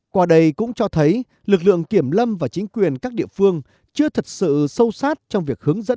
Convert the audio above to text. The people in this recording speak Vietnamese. qua đây cũng cho thấy lực lượng kiểm lâm và chính quyền các địa phương chưa thật sự sâu sát trong việc hướng dẫn